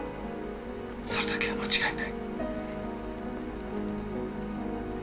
それだけは間違いない。